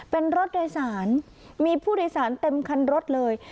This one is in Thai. เป็นรถโดยสารมีผู้โดยสารเต็มคันรถเลย